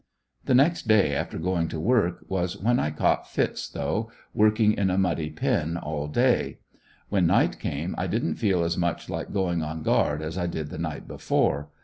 The next day after going to work, was when I caught fits though, working in a muddy pen all day. When night came I didn't feel as much like going on guard as I did the night before.